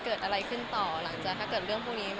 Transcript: เกิดอะไรขึ้นต่อหลังจากถ้าเกิดเรื่องพวกนี้